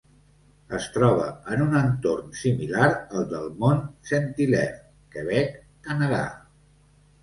Es troba en un entorn similar al del Mont Saint-Hilaire, Quebec, Canadà.